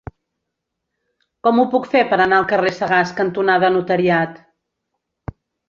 Com ho puc fer per anar al carrer Sagàs cantonada Notariat?